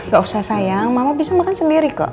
gak usah sayang mama bisa makan sendiri kok